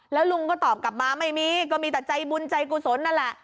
แล้วลุงก็ตอบกลับมาไม่มีก็มีแต่ใจบุญใจกุศลนั่นแหละ